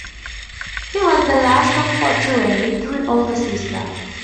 He was the last of four children, with three older sisters.